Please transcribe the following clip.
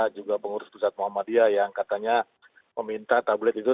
juga pengurus pusat muhammadiyah yang katanya meminta tablet itu